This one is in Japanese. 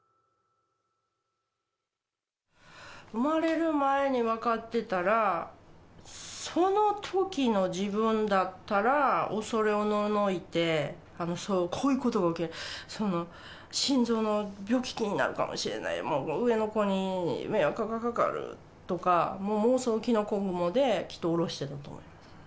生まれる前に分かってたら、そのときの自分だったら恐れおののいて、こういうことが起きる、心臓の病気、気になるかもしれない、上の子に迷惑がかかるとか、妄想が膨らんで、きっとおろしてたと思う。